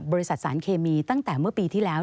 บริษัทสารเคมีตั้งแต่เมื่อปีที่แล้ว